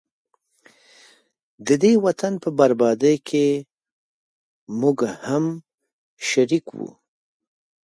ددې وطن په بربادۍ کي موږه هم شریک وو